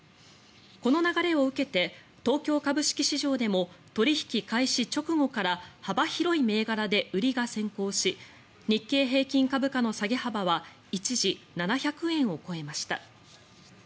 この流れを受けて東京株式市場でも取引開始直後から幅広い銘柄で売りが先行し日経平均株価の下げ幅は一時、７００円を超えました。